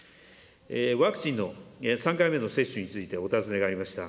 ワクチンの３回目の接種についてお尋ねがありました。